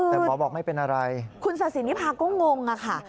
แต่หมอบอกไม่เป็นอะไรคุณศาสินิพาก็งงอะค่ะ